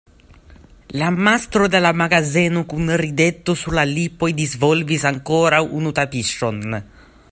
La mastro de la magazeno kun rideto sur la lipoj disvolvis ankoraŭ unu tapiŝon.